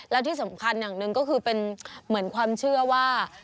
แล้วที่สำคัญอย่างหนึ่งก็คือเป็นเหมือนความเชื่อว่า